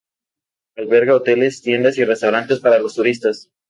Alberga hoteles, tiendas y restaurantes para los turistas.